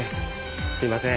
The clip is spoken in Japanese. すいません。